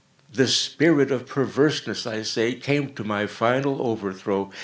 This spirit of perverseness, I say, came to my final overthrow.